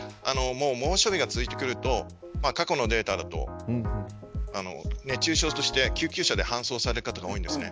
猛暑日が続いてくると過去のデータだと熱中症として救急車で搬送される方が多いんです。